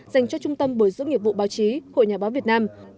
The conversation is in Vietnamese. dành cho trung tâm bồi dưỡng nghiệp vụ báo chí hội nhà báo việt nam